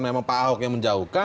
memang pak ahok yang menjauhkan